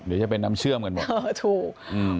หรือจะเป็นน้ำเชื่อมกันบอกนะครับอ๋อถูก